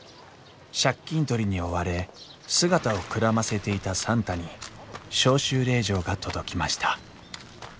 借金取りに追われ姿をくらませていた算太に召集令状が届きました